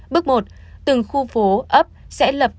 bước một từng khu phố ấp sẽ lập các trường hợp